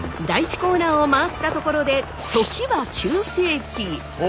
第１コーナーを回ったところで時は９世紀。